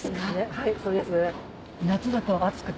はいそうです。